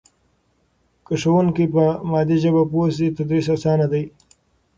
که ښوونکی په مادي ژبه پوه سي تدریس اسانه دی.